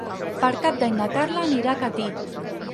Per Cap d'Any na Carla anirà a Catí.